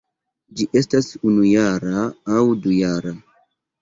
Ĝi estas unujara aŭ dujara.